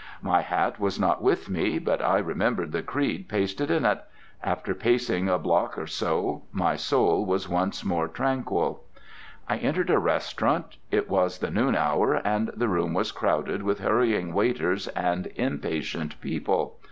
My hat was not with me, but I remembered the creed pasted in it. After pacing a block or so, my soul was once more tranquil. I entered a restaurant. It was the noon hour, and the room was crowded with hurrying waiters and impatient people.